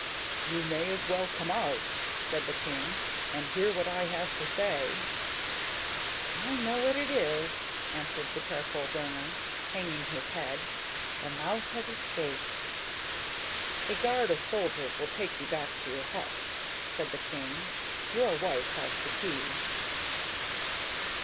'You may as well come out,' said the king, 'and hear what I have to say.' 'I know what it is,' answered the charcoal burner, hanging his head. The mouse has escaped.' 'A guard of soldiers will take you back to your hut,' said the king. 'Your wife has the key.